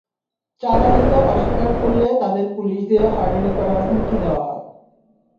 চাঁদা দিতে অস্বীকার করলে তাঁদের পুলিশ দিয়ে হয়রানি করার হুমকি দেওয়া হয়।